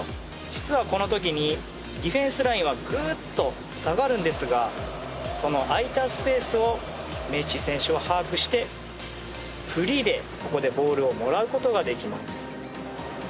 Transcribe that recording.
実は、この時にディフェンスラインはぐっと下がるんですがその空いたスペースをメッシ選手は把握してフリーでボールをもらうことができます。